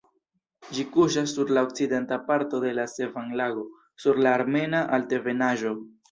Ĝi kuŝas sur la okcidenta parto de la Sevan-lago, sur la Armena Altebenaĵo.